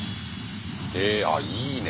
へえあいいね。